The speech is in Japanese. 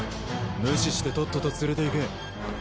無視してとっとと連れていけ。